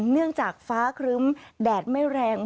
เนื่องจากฟ้าครึ้มแดดไม่แรง